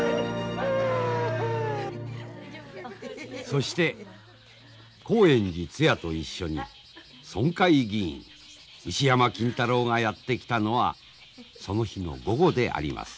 そして興園寺つやと一緒に村会議員牛山金太郎がやって来たのはその日の午後であります。